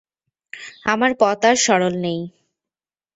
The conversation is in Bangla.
আমার পথ আর সরল নেই।